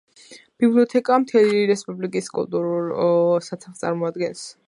ბიბლიოთეკა მთელი რესპუბლიკის კულტურულ საცავს წარმოადგენს.